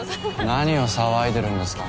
・何を騒いでるんですか？